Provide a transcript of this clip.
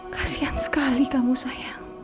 kasian sekali kamu sayang